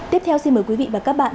tiếp theo xin mời quý vị và các bạn